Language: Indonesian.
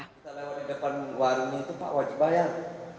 kita lewat di depan warung itu pak wajib bayar